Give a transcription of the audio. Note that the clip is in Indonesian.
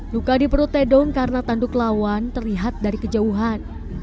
luka di perut tedong karena tanduk lawan terlihat dari kejauhan